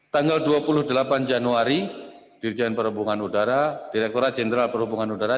tanggal dua puluh delapan januari dirjen perhubungan udara direkturat jenderal perhubungan udara